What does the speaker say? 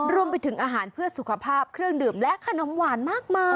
รวมไปถึงอาหารเพื่อสุขภาพเครื่องดื่มและขนมหวานมากมาย